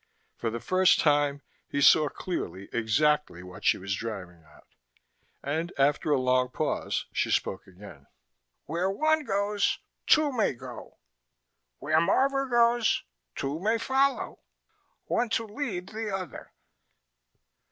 For the first time, he saw clearly exactly what she was driving at. And after a long pause, she spoke again. "Where one goes, two may go. Where Marvor goes, two may follow, one to lead the other."